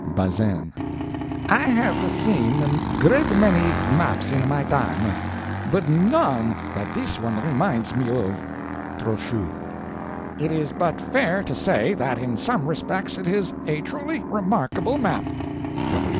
BAZAINE. I have seen a great many maps in my time, but none that this one reminds me of. TROCHU. It is but fair to say that in some respects it is a truly remarkable map.